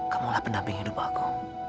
kamu lah pendamping hidup aku